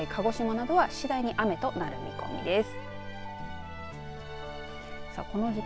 このあと九州南部、鹿児島などは次第に雨となる見込みです。